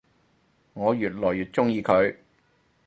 我愈來愈鍾意佢